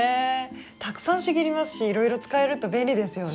たくさん茂りますしいろいろ使えると便利ですよね。